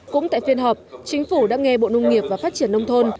cũng tại phiên họp chính phủ đã nghe bộ nông nghiệp và phát triển nông thôn